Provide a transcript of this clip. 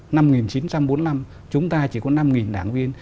năm một nghìn chín trăm bốn mươi năm chúng ta chỉ có năm đảng viên